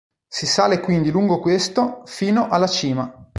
Si sale quindi lungo questo fino alla cima.